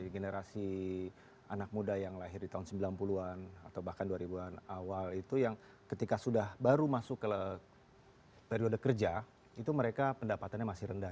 generasi anak muda yang lahir di tahun sembilan puluh an atau bahkan dua ribu an awal itu yang ketika sudah baru masuk ke periode kerja itu mereka pendapatannya masih rendah